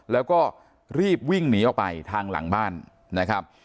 แล้วก็รีบวิ่งหนีออกไปทางหลังบ้านนะครับ